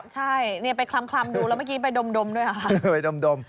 ใช่เนี่ยไปคลำดูแล้วเมื่อกี้ไปดมด้วยค่ะ